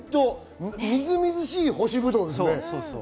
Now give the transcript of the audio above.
みずみずしい干しブドウですね。